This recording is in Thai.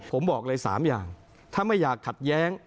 ผมบอกเลย๓อย่างถ้าไม่อยากขัดแย้ง